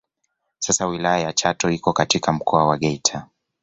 Sasa wilaya ya Chato iko katika Mkoa wa Geita